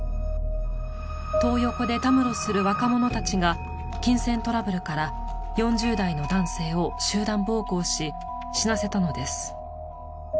トー横でたむろする若者たちが金銭トラブルから４０代の男性を集団暴行し死なせたのです。